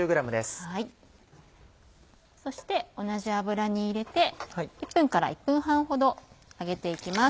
そして同じ油に入れて１分から１分半ほど揚げて行きます。